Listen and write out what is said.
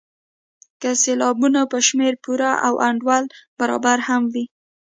که سېلابونه په شمېر پوره او انډول برابر هم وي.